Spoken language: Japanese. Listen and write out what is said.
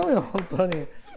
本当に！